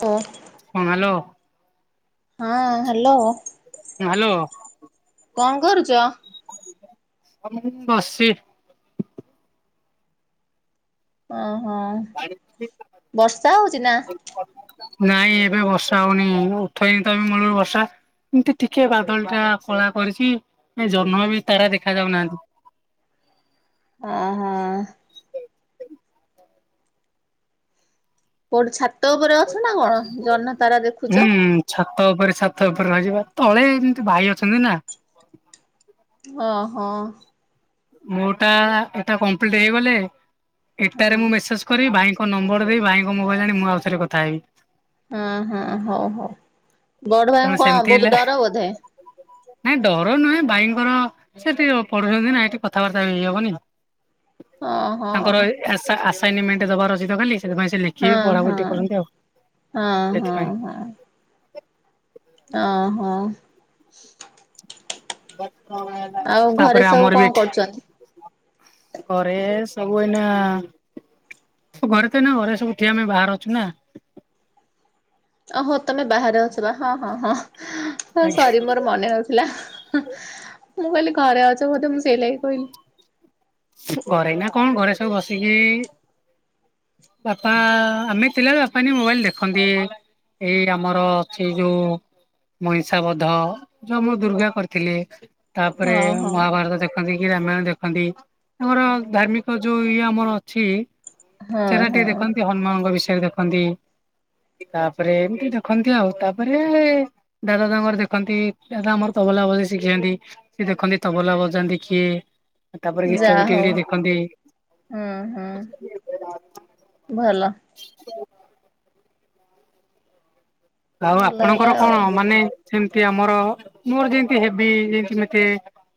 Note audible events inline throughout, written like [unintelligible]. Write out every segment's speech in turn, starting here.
ହଁ ଓ ହ୍ୟାଲୋ। ହଁ ହ୍ୟାଲୋ। ହ୍ୟାଲୋ। କଣ କରୁଚ? ବସିଚି। ଓହୋ ବର୍ଷା ହଉଚି ନା? ନାଇଁ ଏବେ ବର୍ଷା ହଉନି ଉଠେଇନି ତ ମୁଲୁରୁ ବର୍ଷା। ଏମତି ଟିକେ ବାଦଳ ଟା କଳା କରିଚି ଏ ଜହ୍ନ ବି ତାରା ଦେଖା ଯାଉନାହାନ୍ତି। ଅ ହୋ। [unintelligible] ନା କଣ ଜହ୍ନ ତାରା ଦେଖୁଛ ହୁଁ ଛାତ ଉପରେ ଛାତ ଉପରେ [unintelligible] ତଳେ ଏମିତି ଭାଇ ଅଛନ୍ତି ନା। ଓ ହୋ। ମୋ ଟା ଏଟା କମ୍ପ୍ଲିଟ୍ ହେଇଗଲେ ହଁ ଏଟାରେ ମୁଁ ମେସେଜ କରିବି ଭାଇ ନମ୍ବର ଦେଇ ଭାଇଙ୍କ ମୋବାଇଲ ଆଣି ମୁଁ ଆଉଥରେ କଥା ହେବି। ହଁ ହଁ ହଉ ହଉ ବଡ଼ କାରଣ ଭାଇଙ୍କୁ କଣ ସେମିତି ହେଲେ ବହୁତ ଡର ବୋଧେ। ନାଇଁ ଡ଼ର ନୁହେଁ ଭାଇଙ୍କର ସେଠି ପଢୁଛନ୍ତି ନା ଏଠି କଥାବାର୍ତ୍ତା ବି ହେଇ ହବନି। ହଁ ହଁ ତାଙ୍କର [unintelligible] ଆସା ଆସାଇନିମେଣ୍ଟ୍ ଦବାର ଅଛି ତ କାଲି। ସେଥିପାଇଁ ସେ ଲେଖିକି ହଁ ପଢାପଢ଼ି ଟିକେ ହଁ। କରନ୍ତି ଆଉ ହଁ ସେଥିପାଇଁ ଓ ହୋ। [unintelligible] ତାପରେ ସବୁ ଆମର ବି କଣ କରୁଛନ୍ତି? ଏଠି ଘରେ ସବୁ ଏଇନା ଘରେ ତ ନା ଘରେ ସବୁଠି ଆମେ ବାହାରେ ଅଛୁ ନା ଓହୋ ତମେ ବାହାରେ ଅଛବା ହଁ ହଁ ହଁ। ହଁ ସରି ମୋର ମନେ ନଥିଲା। ମୁଁ କହିଲି ଘରେ ଅଛ ବୋଧେ ମୁଁ ସେଇ ଲାଗି କହିଲି। ଘରେ ଏଇନା କଣ ଘରେ ସବୁ ବସିକି ବାପା ଆମେ ଥିଲାବେଳେ ବାପା‌ [unintelligible] ମୋବାଇଲ ଦେଖନ୍ତି। ଏଇ ଆମର ଅଛି ଯୋଉ ମହିଷାବଧ ଯଉ ମୁଁ ଦୁର୍ଗା କରିଥିଲି। ତାପରେ ହଁ ହଁ। ମହାଭାରତ ଦେଖନ୍ତି କି ରାମାୟଣ ଦେଖନ୍ତି। ଆମର ଧାର୍ମିକ ଯୋଉ ଇଏ ଆମର ଅଛି ହଁ ସେଟା ହଁ ଟିକେ ଦେଖନ୍ତି ହନୁମାନଙ୍କ ବିଷୟରେ। ତାକୁ ଦେଖନ୍ତି। ତାପରେ ଏମିତି ଦେଖନ୍ତି ଆଉ, ତାପରେ ଦାଦା ତାଙ୍କର ଦେଖନ୍ତି ଦାଦା ଆମର ତ ଭଲା ବଜ ଶିଖାନ୍ତି ସ ଦେଖନ୍ତି ତବଲା ବଜାନ୍ତି କିଏ ତାପରେ ଗୀତ ଯାହା ହଉ ତିହିଡି ଦେଖନ୍ତି। ହୁଁ ହୁଁ ଭଲ। [inaudible] ଆଉ ଭଲ ହେଲା ଆପଣଙ୍କର ଆଉ କଣ ମାନେ ସେମତି ଆମର ମୋର ଯେମତି ହେବି ଏମିତି ଗୋଟେ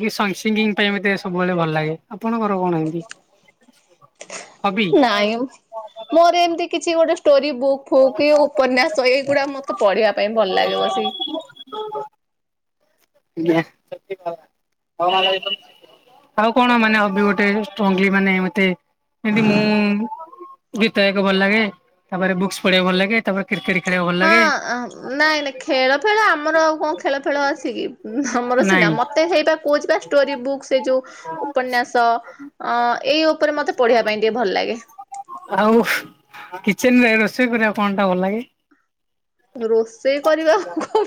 ଜି ଏ ସିଙ୍ଗିଙ୍ଗ ପାଇଁ ମଧ୍ୟ ସବୁବେଳେ ଭ ଭଲ ଲାଗେ ଆପଣଙ୍କର କଣ ଏମିତି? ହବି? ନାଇଁ ମୋର ଏମତି କିଛି ଗୋଟେ ଷ୍ଟୋରି ବୁକ୍ ଫୁକ୍ କି ଉପନ୍ୟାସ ଏଇଗୁଡା ମତେ ପଢିବା ପାଇଁ ଭଲ ଲାଗେ ବସିକି। [inaudible] ଆଉ କଣ ମାନେ ହବି ଗୋଟେ ଷ୍ଟ୍ରଙ୍ଗଲି ମାନେ ମତେ ଏମତି ମୁଁ ଗୀତ ଗାଇବା ଭଲ ଲାଗେ ତାପରେ ବୁକ୍ସ ପଢେଇକୁ ଭଲ ଲାଗେ ତାପରେ କ୍ରିକେଟ ଖେଳି ହଁ ନାଇଁ ନାଇ ଖେଳ ଫେଳ ଆମର ଆଉ କଣ ଖେଳ ଫେଳ ଅଛି କି ଆମର ସିନା ନାଇଁ ମତେ ହେଇବା କୁହୁଚି ବା ଷ୍ଟୋରି ବୁକ୍ ସେ ଯୋଉ ଉପନ୍ୟାସ ଅ ଏଇ ଉପରେ ମତେ ପଢିବା ପାଇଁ ଟିକେ ଭଲ ଲାଗେ। କିଚେନରେ ରୋଷେଇ କରିବାକୁ କଣ ଟା ଭଲ ଲାଗେ? [inaudible] ରୋଷେଇ କରିବାକୁ କ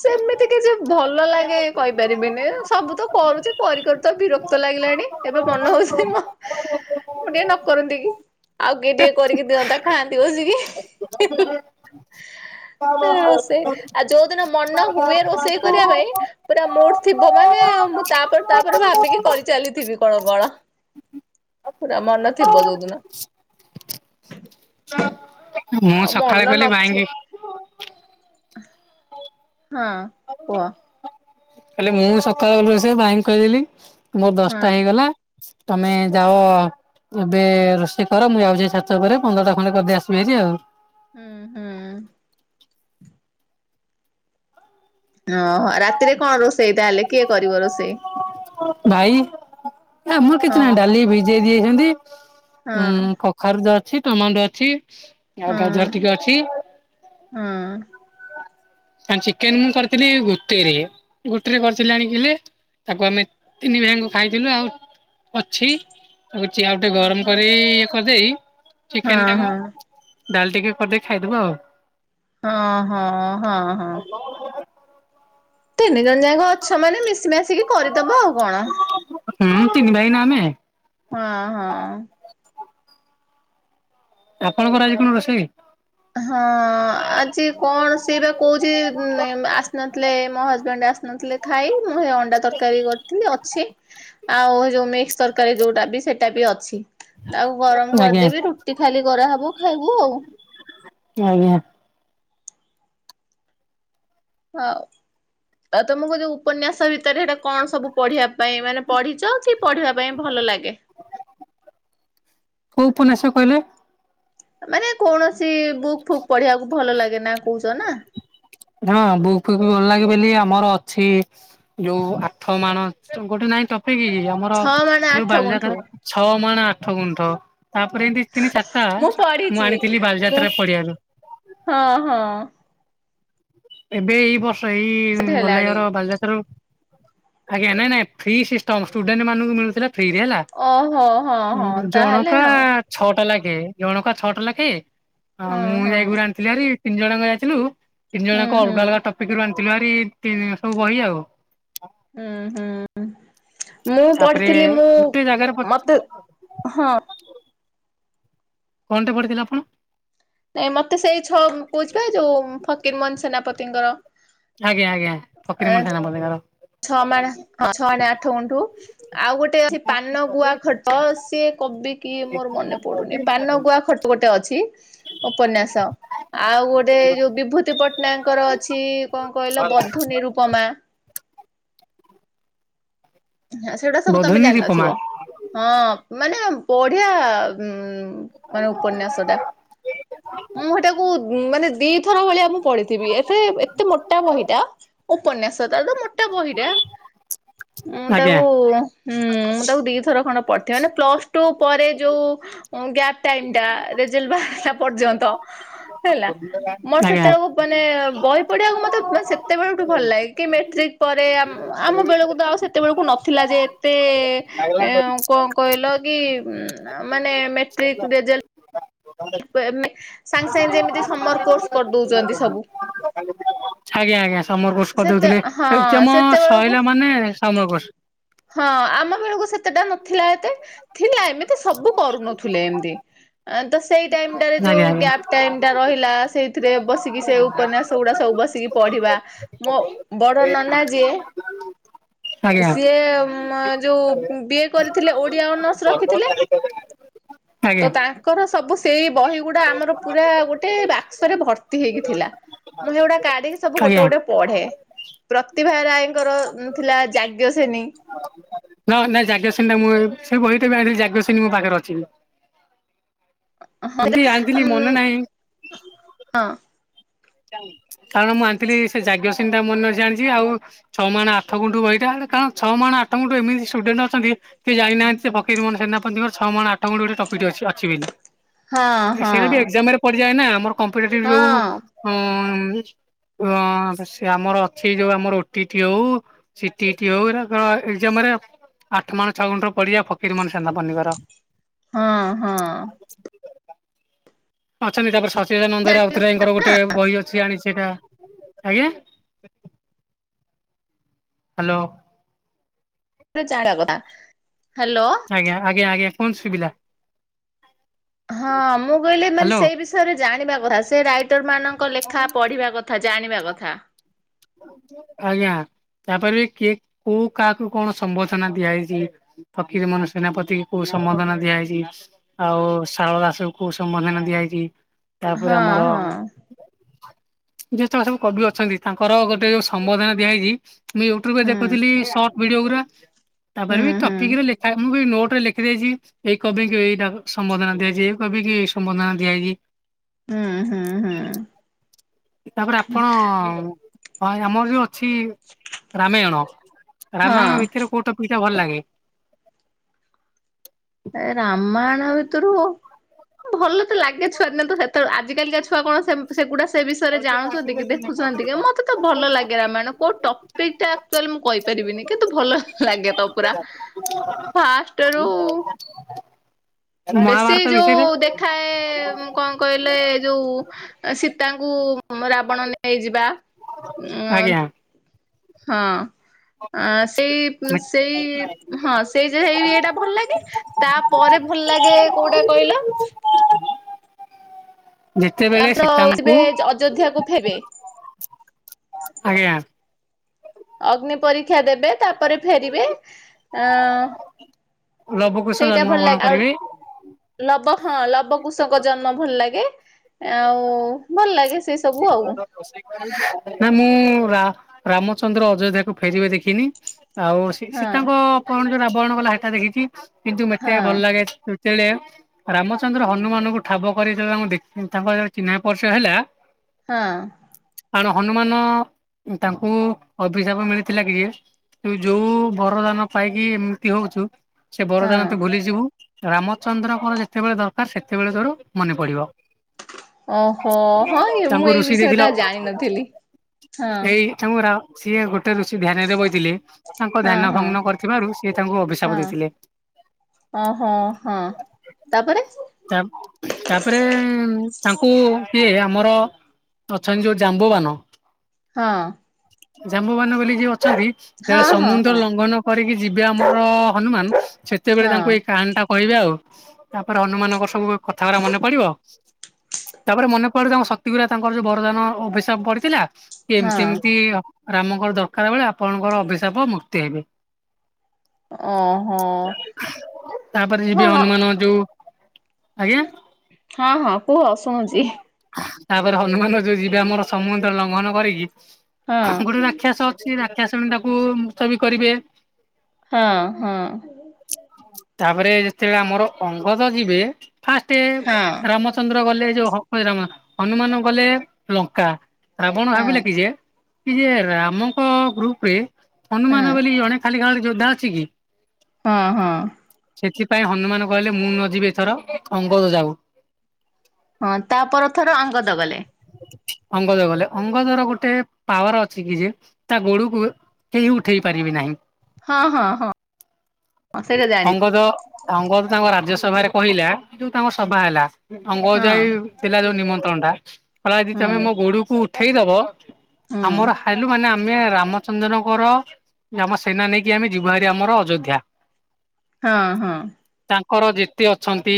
ସେମିତି କିଛି ଭଲ ଲାଗେ କହିପାରିବିନି। ସବୁ ତ କରୁଚି କରି କରି ତ ବିରକ୍ତ ଲାଗିଲାଣି, ଏବେ ମନ ହଉଚି ମ ମୁଁ ଟିକେ ନ କରନ୍ତି କି ଆଉ କିଏ ଟିକେ କରିକି ଦିଅନ୍ତା, ଖାଆନ୍ତି ବସିକି। [inaudible] [inaudible] ରୋଷେଇ ଆଉ ଯୋଉ ଦିନ ମନ ହୁଏ ରୋଷେଇ କରିବା ପାଇଁ ପୁରା ମୁଡ ଥିବ ମାନେ ମୁଁ ତାପରେ ତାପରେ ଭାବିକି କରିଚାଲିଥିବି କଣ କଣ। ପୁରା ମନ ଥିବ ଯଉ ଦିନ। ମୁଁ ସକାଳେ କଲି ଭାଇଙ୍କି ହଁ କୁହ। ହେଲେ ମୁଁ ସକାଳ ବଳ ରୋସ ଭାଇଙ୍କି କହିବି ବୋଲି ମୋର ହଁ ଦଶଟା ହେଇଗଲା। ତମେ ଯାଅ। ଏବେ ରୋଷେଇ କର ମୁଁ ଯାଉଛି ସାତ ପରେ ପନ୍ଦର ଟା ଖଣ୍ଡେ କରିଦେଇ ଆସିବି ଆଜି। ହୁଁ ହୁଁ। ଓହୋ ରାତିରେ କଣ ରୋଷେଇ ତାହେଲେ କିଏ କରିବ ରୋଷେଇ? ଭାଇ ଆମର କିଛି ହଁ ନାହି ଡାଲି ଭିଜେଇ ଦେଇିଛନ୍ତି। ହଁ ଉଁ କଖାରୁ ଯା ଅଛି ଟମାଟ ଅଛି। ଆଉ ହଁ ଗାଜର ଟିକେ ଅଛି। ହଁ କ ଚିକେନ ମୁଁ କରିଥିଲି ଗୋଟେରେ ଗୋଟିରେ କରିଥିଲି ଆଣିକି ତାକୁ ଆମେ ତିନି ଭାଇଙ୍କୁ ଖାଇଥିଲୁ ଆଉ ଅଛି। ତାକୁ ଦେଖିବା ଆଉ ଟିକେ ହଁ ଗରମ କରି ଇଏ କରିଦେଇ ହଁ ହଁ। ଡାଲ ଟିକେ କରିଦେଇ ଖାଇଦବା ଆଉ। ହଁ ହଁ ହଁ ହଁ। ତିନି ଜଣ ଯାକ ଅଛ ମାନେ ମିଶି ମାସିକି କରିଦବ ଆଉ କଣ। ହୁଁ ତିନି ଭାଇ ନା ଆମେ। ହଁ ହଁ। ଆପଣଙ୍କର ଆଜି କଣ ରୋଷେଇ? ହଁ ଆଜି କଣ ସେ ବା କହୁଛି ଆସିନଥିଲେ ମୋ ହଜବେଣ୍ଡ ଆସ ନଥିଲେ ଥାଇ ମୁଁ ଏ ଅଣ୍ଡା ତରକାରୀ କରିଥିଲି ଅଛି ଆଉ ହେ ଯୋଉ ମିକ୍ସ ତରକାରୀ ଯୋଉଟା ବି ସେଇଟା ବି ଅଛି ଆଉ ଗରମ ଆଜ୍ଞା କରିଦେବି ରୁଟି ଖାଲି କରାହବ। ଖାଇବୁ ଆଉ। ଆଜ୍ଞା। ହଉ ଆଉ ତମକୁ କଛି ଉପନ୍ୟାସ ଭିତରେ ସେଇଟା କଣ ସବୁ ପଢିବା ପାଇଁ ମାନେ ପଢିଛ କି ପଢିବା ପାଇଁ ଭଲ ଲାଗେ? କହିଲ। ମାନେ କୌଣସି ବୁକ୍ ଫୁକ୍ ପଢିବାକୁ ଭଲ ଲାଗେ ନା? କହୁଛ ନା? ହଁ ବୁକ ଫୁକ ଭଲ ଲାଗେ ମୁଁ କହିଲି ଆମର ଅଛି ଯୋଉ ଆଠ ମାଣ ଗୋଟେ ନାଇଁ ତ ତିକି ଆମର ଛଅ ମାଣେ ଯୋଉ ଆଠ ଗୁଣ୍ଠୁ ବାଲିଯାତ୍ରା ଛଅ ମାନେ ଆଠ ଗୁଣ୍ଠ। ତାପରେ ଏଠି ଥିଲି ଚାରଟା ମୁଁ ମୁଁ ପଢିଛି ଆଣିଥିଲି ମୁଁ ବାଲିଯାତ୍ରା ପଡିଆରୁ। ହଁ ହଁ। ଏବେ ଏଇ ବର୍ଷ ଏଇ ସେଠି ଉଁ ଗଲା ହେଲାଣି। କାର ବାଲିଯାତ୍ରା ରୁ। ଆଜ୍ଞା ନାଇଁ ନାଇଁ ଫ୍ରି ସିଷ୍ଟମ ଷ୍ଟୁଡେଣ୍ଟ ମାନଙ୍କୁ ମିଳୁଥିଲା। ଫ୍ରିରେ ହେଲା ଓହୋ ହଁ ଉଁ ହଁ ତାହେଲେ ଜଣକା ହଁ ଛଅଟା ଲେ ଏ ଜଣକା ଛଅଟା ଲେଖେ ଆଉ ହଁ ମୁଁ ହଁ ଯାଇକରି ଆଣିଥିଲି ହେରି ତିନି ଜଣଙ୍କ ଯାଇଥିଲୁ। ତିନି ଜଣ ହୁଁ ଯାକ ହୁଁ। ଅଲଗା ଅଲଗା ଟପିକ ରୁ ଆଣିଥିଲୁ ହେରି ତିନି ଜଣ ସବୁ ବହି ଆଉ। ହୁଁ ହୁଁ। ମୁଁ ତାପରେ ପଢିଥିଲି ମୁଁ ଗୋଟେ ଜାଗାରେ ମତେ ହଁ। କଣ ଟେ ପଢ଼ିଥିଲେ ଆପଣ? ନାଇଁ ମତେ ସେଇ ଛଅ ଉଁ କହୁଚି ପା ଯୋଉ ଉଁ ଫକିର ମୋହନ ସେନାପତିଙ୍କର। ଆଜ୍ଞା ଆଜ୍ଞା ଫକୀର ମୋହନ ସେନାପତିଙ୍କର। ଛଅ ମାଣେ ହଁ ଛଅ ମାଣେ ଆଠ ଗୁଣ୍ଠୁ ଆଉ ଗୋଟେ ଅଛି ପାନ ଗୁଆ ଖଟ ସିଏ କବି କିଏ ମୋର ମନେ ପଡୁନି ପାନ ଗୁଆ ଖଟ ଗୋ ଗୋଟେ ଅଛି ଉପନ୍ୟାସ ଆଉ ଗୋଟେ ଏଇ ଯୋଉ ବିଭୂତି ପଟ୍ଟନାୟକଙ୍କର ଅଛି। କଣ କହିଲ ବଧୁ ନିରୁପମା? ହଁ ସେଗୁଡ଼ା ସବୁ ତମେ ବଧୂନିର ଉପମା ଜାଣିିନଥିବ ହଁ ମାନେ ବଢିଆ ଉଁ। ଉଁ ମାନେ ଉପନ୍ୟାସଟା। ମୁଁ ହେଟାକୁ ଉଁ ମାନେ ଦିଥର ଭଳିଆ ମୁଁ ପଢିଥିବି ଏତେ ଏତେ ମୋଟା ବହିଟା। ଉପନ୍ୟାସ ତାର ତ ମୋଟା ବହିଟା। ମୁଁ ତାକୁ ଆଜ୍ଞା। ଉଁ ମୁଁ ତାକୁ ଦିଥର ଖଣ୍ଡେ ପଢିିଚି ମାନେ ପ୍ଲସ ଟୁ ପରେ ଯୋଉ ଉଁ ଗ୍ୟାପ ଟାଇମ ଟା ରେଜଲ୍ଟ ବାହାରିଲା ପର୍ଯ୍ୟନ୍ତ। ହେଲା ମୋର ଆଜ୍ଞା ସେତେବେଳକୁ ମାନେ ବହି ପଢିବାକୁ ମତେ ମାନେ ସେତେବେଳଠୁ ଭଲ ଲାଗେ କି ମେଟ୍ରିକ ପରେ ଆମ ଆମ ବେଳକୁ ତ ଆଉ ସେତେବେଳୁକୁ ନଥିଲା ଯେ ଏତେ ଏ କ କହିଲ କି ଉଁ ଆ ମାନେ ମେଟ୍ରିକ ରେଜଲ ପେ ମେ ସାଙ୍ଗେ ସାଙ୍ଗେ ଯେମିତି ସମର କୋର୍ସ କରିଦଉଛନ୍ତି ସବୁ। ଆଜ୍ଞା ଆଜ୍ଞା ସମର କୋର୍ଷ ସେତେ କରିଦେଉଥିଲେ ହଁ ଏକ୍ଜାମ୍ ସେତେବେଳକୁ ସରିଲା ମାନେ ସମର କୋର୍ସ। ହଁ ଆମ ବେଳକୁ ସେତେଟା ନଥିଲା ଏତେ ଥିଲା ଏମିତି ସବୁ କରୁନଥୁଲେ ଏମିତି। ଆଁ ତ ଟାଇମ ଟାରେ ଯୋଉ ଆଜ୍ଞା ଆଜ୍ଞା ଗ୍ୟାପ ଟାଇମ ଟା ରହିଲା ସେଇଥିରେ ବସିକି ସେ ଉପନ୍ୟାସ ଗୁଡା ସବୁ ବସ କି ପଢିବା ମୋ ବଡ ନନା ଯିଏ। ଆଜ୍ଞା ସିଏ ଉଁ ଯୋଉ ବି ଏ କରିଥିଲେ ଓଡିଆ ଅନର୍ସ ରଖିଥିଲେ ଆଜ୍ଞା ତ ତାଙ୍କର ସବୁ ସେଇ ବହି ଗୁଡା ଆମର ପୁରା ଗୋଟେ ବାକ୍ସରେ ଭର୍ତ୍ତି ହେଇକି ଥିଲା ମୁଁ ହେଗୁଡା କାଢ଼ିକି ସବୁ ଗୋଟେ ଆଜ୍ଞା। ଗୋଟେ ପଢେ। ପ୍ରତିଭା ରାୟଙ୍କର ଉଁ ଥିଲା ଯାଜ୍ଞ ସେନୀ। ନାଇ ନାଇ ଯାଜ୍ଞ ସେନି ଟା ମୁଁ ସେ ବହିଟା ବି ଆଣିଚି ଯାଜ୍ଞ ସେନୀ ମୋ ପାଖରେ ଅଛିି ବ। ହଁ ସେଇଟା ମନେ ନାହିଁ ଉଁ ହଁ। କାରଣ ମୁଁ ଆଣିଥିଲି ସେ ଯାଜ୍ଞ ସେନୀ ଟା ମନେ ଅଛି ଆଣିଛି ଆଉ ଛଅ ମାଣ ଆଠ ଗୁଣ୍ଠୁ ବହିଟା ଏଟା କାରଣ ଛଅ ମା [unintelligible] ଏମିତି ଷ୍ଟୁଡେଣ୍ଟ ଅଛନ୍ତି ସେ ଜାଣିନାହାନ୍ତି [inaudible] ଫକୀର ମୋହନ ସେନାପତିଙ୍କର ଛଅମାଣ ଆଠ ଗୁଣ୍ଠ ଗୋଟେ ଟପିକଟେ ଅଛି ଅଛି ବୋଲି। ହଁ- ହଁ। ଯାଏନା ଆମର କମ୍ପିଟେଟିଭ୍ ଯୋଉ ହଁ ଉଁ-ଉଁ-ଉଁ-ଉଁ ହଁ ସେ ଆମର ଅଛି ଯୋଉ ଆମର ଓଟି ଇଟି ହଉ ସିଟି ‌ଇଟି ହେଉ ଏଗୁରାକ ଏକ୍ଜାମରେ। ଆଠ ମାଣ ଛଅ ଗୁଣ୍ଠ [unintelligible] ଫକିର ମୋହନ ସେନାପତିଙ୍କର। ହଁ- ହଁ। ଅଛନ୍ତି ତାପରେ ସଚିଦାନନ୍ଦ ରାଉତରାୟଙ୍କର ଗୋଟେ ବହି ଅଛି ଆଣିଚି। ସେଇଟା, ଆଜ୍ଞା? ହ୍ୟାଲୋ। [unintelligible] ଆଜ୍ଞା-ଆଜ୍ଞା-ଆଜ୍ଞା କୁହନ୍ତୁ ଶୁଭିଲା। ହଁଅ-ଅ ମୁଁ କହିଲି ମାନେ ହ୍ୟାଲୋ। ସେଇ ବିଷୟରେ ଜାଣିବା କଥା ସେ ରାଇଟରମାନଙ୍କ ଲେଖା ପଢିବା କଥା ଜାଣିବା କଥା। ଆଜ୍ଞା, ତାପରେ ବି କିଏ କୋଉ କାହାକୁ କଣ ସମ୍ବଥନା ଦିଆ ହେଇଚି। ଫକୀର ମୋହନ ସେନାପତିଙ୍କି କୋଉ ସମ୍ବଧନା ଦିଆଯାଇଛି ଆଉ ଶାରଳା ଦାସଙ୍କୁ କୋଉ ସମ୍ବଧନା ଦି ଦିଆହେଇଛି ତାପରେ ହଁ ଆମର ହଁ ଯେ ସବୁ [inaudible] କବି ଅଛନ୍ତି ତାଙ୍କର ଗୋଟେ ଯୋଉ ସମ୍ବଧନା ଦିଆହେଇଛି। ମୁଁ ୟୁଟ୍ୟୁବରେ ହୁଁ ଦେଖୁଥିଲି ସଟ ଭିଡିଓଗୁରା ହୁଁ ତାପରେ ବି ହୁଁ ଟପିକରେ ଲେଖା ମୁଁ ବି ନୋଟ୍ ଗୋଟେ ଲେଖିଦେଇଛି ଏଇ କବିକି ଏଇଟା ସମ୍ବଧନା ଦିଆଯାଇଛି ଏଇ କବିକି ଏଇ ସମ୍ବଧନା ଦିଆହେଇଛି। ହୁଁ -ହୁଁ- ହୁଁ। ତାପରେ ଆପଣଅ-ଅ-ଅ [inaudible] ଆମର ଯୋଉ ଅଛି ରାମାୟଣ, ହଁ ରାମାୟଣ ଭିତରେ କୋଉ ଟପିକଟା ଭଲ ଲାଗେ? ଏ ରାମାୟଣ ଭିତରୁ ଭଲ ତ ଲାଗେ ଛୁଆଦିନେ ସେତେବେଳେ ଆଜିିକାଲିକା ଛୁଆ କଣ ସେମ୍ ସେଗୁଡା। ସେ ବିଷୟରେ ଜାଣୁଛନ୍ତି କି ଦେଖୁଛନ୍ତି କି ମୋତେ ତ ଭଲ ଲାଗେ ରାମାୟଣ କୋଉ ଟପିକଟା ଆକ୍ଚୁଆଲି ମୁଁ କହିପାରି [inaudible] କିନ୍ତୁ ଭଲ ଲାଗେ ତ ପୁରା, ଫାଷ୍ଟରୁ ବେଶୀ ମହାଭାରତ ଯୋଉ ବିଷୟରେ ଦେଖାଏ କଣ କହିଲେ ଯୋଉ ଶୀତ୍ ତାଙ୍କୁ ରାବଣ ନେଇଯିବା ଉଁ ଆଜ୍ଞା ହଁ। ଅଁ ସେଇ ସେଇ ହଁ ସେଇଯେ ହେଇ ଏଟା ଭଲ ଲାଗେ ତାପରେ ଭଲ ଲା ଆଗେ କୋଉଟା କହିଲ? ଯେତେବେଳେ ରାମଚ ସୀତାଙ୍କୁ ଆସିବେ ଯୋ ଅଯୋଧ୍ୟାକୁ ଫେରବେ। ଆଜ୍ଞା ଅଗ୍ନି ପରୀକ୍ଷା ଦେବେ ତାପରେ ଫେରିବେ ଅଁ ଲବକୁଶ ସେଇଟା ଜନ୍ମ ଭଲ ଗ୍ରହଣ ଲାଗେ ଆଉ, କରିବେ ଲବ ହଁ ଲବ କୁଶଙ୍କ ଜନ୍ମ ଭଲ ଲାଗେ, ଆଉ ଭଲ ଲାଗେ ସେ ସବୁ ଆଉ ନା ମୁଁ ରା ରାମଚନ୍ଦ୍ର ଅଯୋଧ୍ୟାକୁ ଫେରିବେ ଦେଖିନି ଆଉ ସୀ ହଁ ସୀତାଙ୍କ ଅପହରଣ ଯୋଉଟା ଅପହରଣ କଲା ସେଟା ଦେଖିଛି କିନ୍ତୁ ହଁ ମେତେ ଭଲ ଲାଗେ ଯେତେବେଳେ ରାମଚନ୍ଦ୍ର ହନୁମାନଙ୍କୁ ଠାବ କରିଦେଲେ ମୁଁ ଦେଖ୍ ତାଙ୍କର ଚିହ୍ନା ପରିଚୟ ହେଲା ହଁ। କାରଣ ହନୁମାନ ତାଙ୍କୁ ଅଭିଶାପ ମିଳିଥିଲା କି ତୁ ଯୋଉ ବରଦାନ ପାଇକି ଏମତି ହଉଚୁ ସେ ହଁ ବରଦାନ ତୁ ଭୁଲିଯିବୁ ରାମଚନ୍ଦ୍ରଙ୍କର ଯେତେବେଳେ ଦରକାର ସେତେବେଳେ ତୋର ମନେ ପଡିବ। ଓହୋଃ ହଁ ଇଏ ତାଙ୍କୁ ଋଷି ଦେଇଥିଲ, ହଁ ଏଇ ତାଙ୍କୁ ରା ସିଏ ଗୋେ ୠଷି ଧ୍ୟାନରେ ବଇଥିଲେ ତାଙ୍କ ହଁ ଧ୍ୟାନ ହଁ। ଭଗ୍ନ କରିଥିବାରୁ ସେ ତାଙ୍କୁ ଅଭିଶାପ ଦେଇଥିଲେ। ଓହୋଃ ହଁ ତାପରେ ତାପରେଏ-ଏ ତାଙ୍କୁ କିଏ ଆମର ଅଛନ୍ତି ଯୋଉ ଜାମ୍ବବାନ ହଁ। ଜାମ୍ବବାନ ବୋଲି ଯିଏ ଅଛନ୍ତି! ବେଳେ ହଁ ହଁ ସମୁଦ୍ର ହଁ। ଲଘନ କରିକି ଯିବେ ଆମର-ଅ ହନୁମାନ, ସେତେବେଳେ ହଁ ତାଙ୍କୁ ଏଇ କାଣ ଟା କହିବେ ଆଉ। ତାପରେ, ହନୁମାନଙ୍କର ସବୁ କଥାଗରା ମନେ ପଡିବ। ତାପରେ ମନେ ପଡେ, ତାଙ୍କ ଶକ୍ତିଗୁରା ତାଙ୍କର ଯୋଉ ବରଦାନ ଅଭିଶାପ ପଡିଥିଲା। କି ଏମିତି ହଁ ଏମିତି ହ ରାମଙ୍କର ଦରକାର ବେଳେ ଆପଣଙ୍କର ଅଭିଶାପ ମୁକ୍ତି ହେବେ। ଓହୋ ତାପରେ, ଯିବି ହଁ ହଁ ହନୁମାନ ଯୋଉ ଆଜ୍ଞା। ହଁ, ହଁ କୁହ ଶୁଣୁଛି। ତାପରେ, ହନୁମାନ ଯୋଉ ଯିବେ ଆମର ସମୁଦ୍ର ଲଙ୍ଘନ କରିକି ହଁ ଗୋଟେ ରାକ୍ଷସ ଅଛି, ରାକ୍ଷସୁଣି ତାକୁ ମୁତ ବି କରିବେ। ହଁ, ହଁ। ତାପରେ, ଯେତେବେଳେ ଆମର ଅଙ୍ଗଦ ଯିବେ, ଫାଷ୍ଟେ ହଁ ରାମଚନ୍ଦ୍ର ଗଲେ। ଯଉ ହ ହଇରାମା ହନୁମାନ ଗଲେ ଲଙ୍କା। ରାବଣ ହଁ ଭାବିଲା କି ଯେ କି ଯେ ରାମଙ୍କ ଗ୍ରୁପ ରେ, ହଁ ହନୁମାନ ବୋଲି ଜଣେ ଖାଲି ଖାଲି ଯୋଦ୍ଧା ଅଛି କି? ହଁ, ହଁ। ସେଥିପାଇଁ ହନୁମାନ କହିଲେ, ମୁଁ ନ ଯିବି ଏଥର। ଅଙ୍ଗଦ ଯାଉ। ହଁ, ତାପ ଥର ଆଙ୍ଗଦ ଗଲେ। ଅଙ୍ଗଦ ଗଲେ। ଅଙ୍ଗଦର ଗୋଟେ ପାୱାର ଅଛି, କି ଯେ ତା ଗୋଡକୁ କେହି ଉଠେଇ ପାରିବି ନାହିଁ। ହଁ, ହଁ, ହଁ। ସେଇଟା ଜାଣି ଅଙ୍ଗଦ ଅଙ୍ଗଦ ତାଙ୍କ ରାଜ୍ୟ ସଭାରେ କହିଲା, ଯୋଉ ତାଙ୍କ ସଭା ହେଲା। ଅଙ୍ଗ ହଁ ଯାଇ ଥିଲା ଯୋଉ ନିମନ୍ତ୍ରଣ ଟା, କଲା ଯଦି ହୁଁ ତମେ ମୋ, ଗୋଡକୁ ଉଠେଇ ଦବ ହୁଁ ଆମର ହାଇଲୁ ମାନେ ଆମ୍ ଆମେ ରାମଚନ୍ଦ୍ରଙ୍କର, ଆମ ସେନା ନେଇକି ଆମେ ଯିବା ହାରି ଆମର ଅଯୋଧ୍ୟା। ହଁ, ହଁ। ତାଙ୍କର ଯେତେ ଅଛନ୍ତି,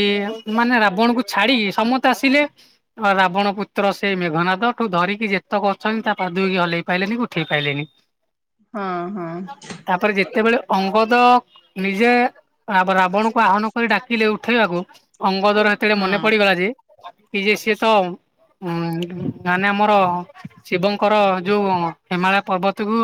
ମାନେ ରାବଣ କୁ ଛାଡିକି ସମସ୍ତେ ଆସିଲେ। ରାବଣ ପୁତ୍ ର ସେ ମେଘନାଦ ଠୁ ଧରିକି ଯେତେକ ଅଛନ୍ତି, ତା ପାଦୁଇକି ହଲେଇ ପାଇଲେନି କି ଉଠେଇ ପାଇଲେନି। ହଁ, ହଁ। ତାପରେ ଯେତେବେଳେ ଅଙ୍ଗଦ ନିଜେ ରାବ-ରାବଣକୁ ଆହାନ କରି ଡାକିଲେ ଉଠେଇଆକୁ ଅଙ୍ଗଦର ହେତେବେଳେ ହଁ। ମନେ ପଡିଗଲା ଯେ, ଇଯେ ସିଏ ତ? ଉୁଁ, ମାନେ ଆମର ଶିବଙ୍କର ଯୋଉ ହିମାଳୟ ପର୍ବତକୁୁ